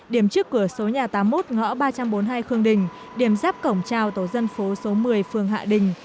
điểm trước cửa số nhà tám mươi một ngõ ba trăm bốn mươi hai khương đình điểm giáp cổng trào tổ dân phố số một mươi phường hạ đình